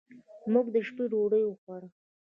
موږ د شپې ډوډۍ وخوړه.